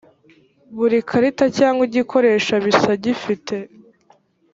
buri karita cyangwa igikoresho bisa gifite